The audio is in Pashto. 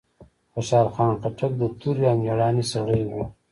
خوشحال خان خټک د توری او ميړانې سړی وه.